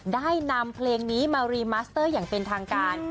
ได้นำเพลงนี้มารีมัสเตอร์อย่างเป็นทางการ